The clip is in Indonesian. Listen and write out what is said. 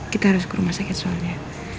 kita harus ke rumah sakit soalnya